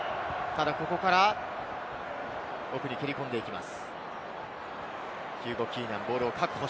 ここから奥に蹴り込んでいきます。